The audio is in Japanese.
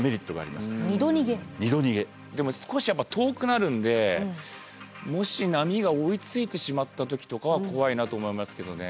でも少しやっぱ遠くなるんでもし波が追いついてしまった時とかは怖いなと思いますけどね。